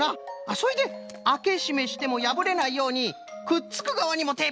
それであけしめしてもやぶれないようにくっつくがわにもテープはったんじゃね！